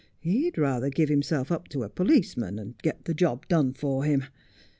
He'd rather give himself up to a policeman, and get the job done for him.